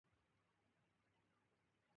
紙の上で文字が躍る